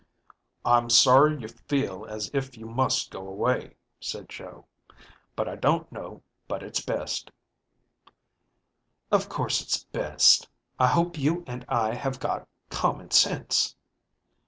ďI'm sorry you feel as if you must go away," said Joe, "but I don't know but it's best." "Of course it's best. I hope you and I have got common sense."